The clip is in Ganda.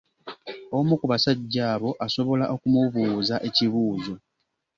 Omu ku basajja abo asobola okumubuuza ekibuuzo.